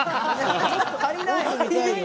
足りない。